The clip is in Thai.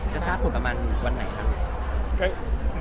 จะทราบผลประมาณวันไหนครับ